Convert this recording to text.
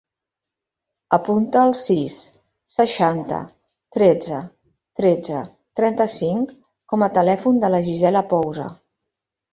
Apunta el sis, seixanta, tretze, tretze, trenta-cinc com a telèfon de la Gisela Pousa.